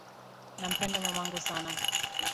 Nampenda mamangu sana.